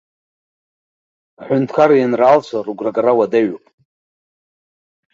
Аҳәынҭкар иеинралцәа рыгәрагара уадаҩуп.